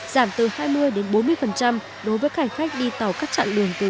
giảm từ hai mươi đến bốn mươi đối với khách khách đi tàu